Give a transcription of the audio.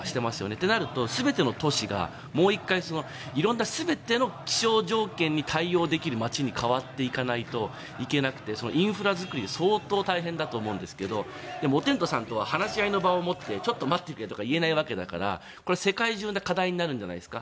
となるとすべての都市がもう１回、色んな全ての気象条件に対応できる街に変わっていかないといけなくてインフラ作りが相当大変だと思うんですけどもう、おてんとさんと話し合いの場を持ってちょっと待ってとは言えないわけだから世界中で課題になるんじゃないですか。